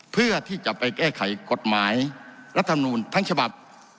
เพื่อที่จะไปแก้ไขกฎหมายและธนูณภัณฑ์ทั้งฉบับ